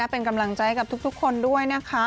เป็นกำลังใจกับทุกคนด้วยนะคะ